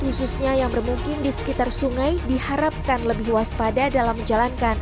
khususnya yang bermungkin di sekitar sungai diharapkan lebih waspada dalam menjalankan